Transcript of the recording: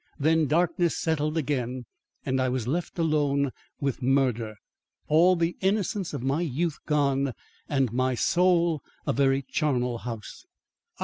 Then darkness settled again and I was left alone with Murder; all the innocence of my youth gone, and my soul a very charnel house.